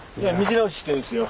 直ししてるんですよ。